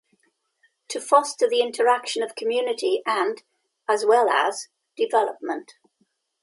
To foster the interaction of community and as well as development.